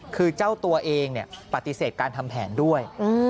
คือเจ้าตัวเองปฏิเสธการทำแผนด้วย